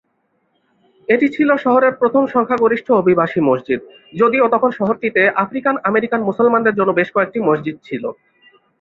এটি ছিল শহরের প্রথম সংখ্যাগরিষ্ঠ অভিবাসী মসজিদ, যদিও তখন শহরটিতে আফ্রিকান-আমেরিকান মুসলমানদের জন্য বেশ কয়েকটি মসজিদ ছিল।